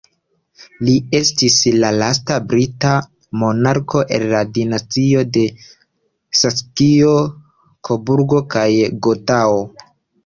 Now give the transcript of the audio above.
Li estis la lasta brita monarko el la dinastio de Saksio-Koburgo kaj Gotao.